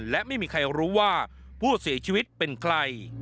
และไม่มีใครรู้ว่าผู้เสียชีวิตเป็นใคร